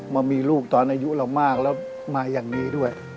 มามีลูกตอนอายุเรามากแล้วมาอย่างนี้ด้วย